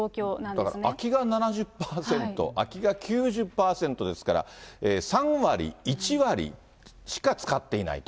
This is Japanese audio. だから空きが７０％、空きが９０％ですから、３割、１割しか使ってないと。